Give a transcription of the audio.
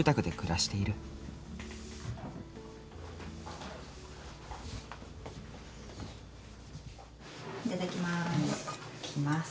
いただきます。